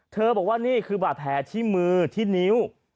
บอกว่านี่คือบาดแผลที่มือที่นิ้ว